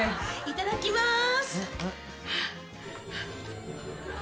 いただきまーす！